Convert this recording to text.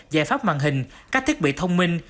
giải pháp màn hình các thiết bị thông minh